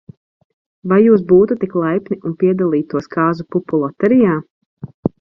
Vai jūs būtu tik laipni, un piedalītos kāzu pupu loterijā?